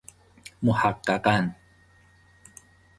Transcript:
محققا ً